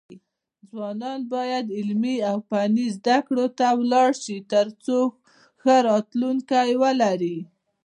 ځوانان بايد علمي او فني زده کړو ته لاړ شي، ترڅو ښه راتلونکی ولري.